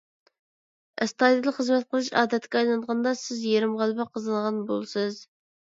ئەستايىدىل خىزمەت قىلىش ئادەتكە ئايلانغاندا، سىز يېرىم غەلىبە قازانغان بولىسىز.